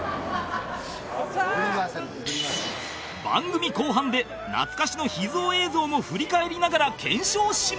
番組後半で懐かしの秘蔵映像も振り返りながら検証します